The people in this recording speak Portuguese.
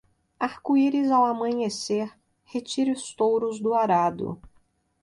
Arco-íris ao amanhecer, retire os touros do arado.